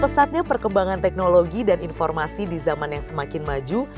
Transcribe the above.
pesatnya perkembangan teknologi dan informasi di zaman yang semakin maju